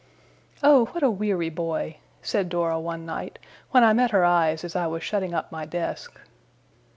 'Oh, what a weary boy!' said Dora one night, when I met her eyes as I was shutting up my desk.